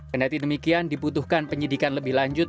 kedatian demikian diputuhkan penyidikan lebih lanjut